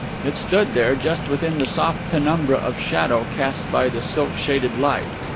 It stood there, just within the soft penumbra of shadow cast by the silk shaded light.